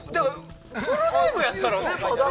フルネームやったらね。